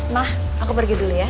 nah aku pergi dulu ya